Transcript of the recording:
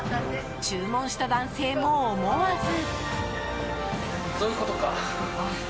注文した男性も思わず。